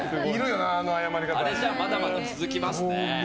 あれじゃ、まだまだ続きますね。